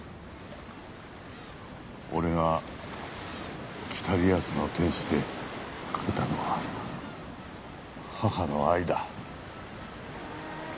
俺が『北リアスの天使』で描けたのは母の愛だ。